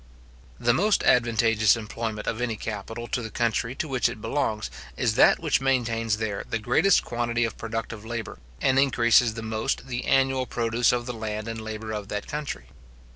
The most advantageous employment of any capital to the country to which it belongs, is that which maintains there the greatest quantity of productive labour, and increases the most the annual produce of the land and labour of that country.